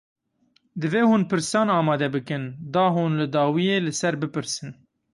Divê hûn pirsan amade bikin, da hûn li dawiyê li ser bipirsin